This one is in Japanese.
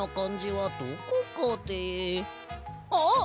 あっ！